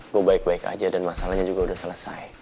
gue baik baik aja dan masalahnya juga udah selesai